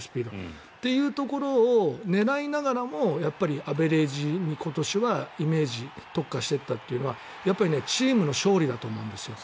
というところを狙いながらも今年はアベレージを上げる今年はイメージ特化していったというのはチームの勝利だと思うんです。